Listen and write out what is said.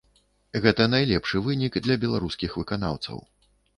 Гэта найлепшы вынік для беларускіх выканаўцаў.